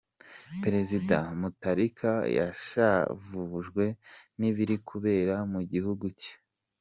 Perezida Mutharika yashavujwe n’ibiri kubera mu gihugu cye .